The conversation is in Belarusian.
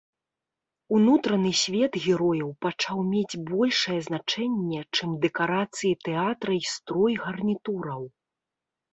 Унутраны свет герояў пачаў мець большае значэнне, чым дэкарацыі тэатра і строй гарнітураў.